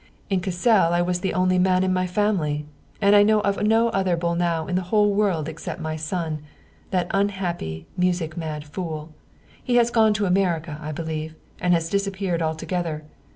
In Cassel I was the only man in my family. And I know of no other Bolnau in the whole world except my son, that unhappy music mad fool. He has gone to America, I believe, and has disappeared altogether.